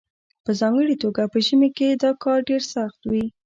په ځانګړې توګه په ژمي کې دا کار ډیر سخت وي